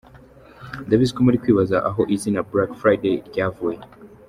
Ndabizi ko muri kwibaza aho izina Black Friday ryavuye.